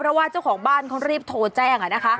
เพราะว่าเจ้าของบ้านเขารีบโทรแจ้ง